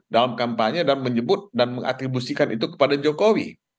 dalam kampanye dan menyebut dan mengatribusikan itu kepada jokowi